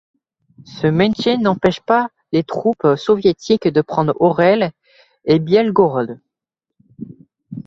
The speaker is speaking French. Ce maintien n'empêche pas les troupes soviétiques de prendre Orel et Bielgorod.